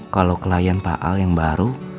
kalau klien pak al yang baru